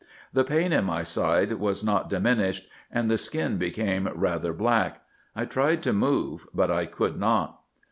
The pain in my side was not diminished, and the skin became rather black : I tried to move, but I could not.